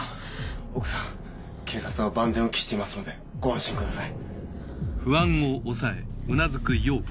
奥さん警察は万全を期していますのでご安心ください。